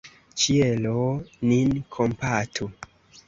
Ĉielo nin kompatu!